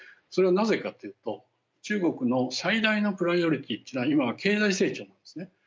それはなぜかというと中国の最大のプライオリティというのは今は経済成長なんですね。